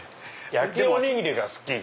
焼きおにぎりが好き！